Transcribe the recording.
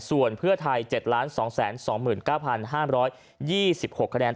ส่วนเพื่อไทย๗๒๒๙๕๒๖คะแนน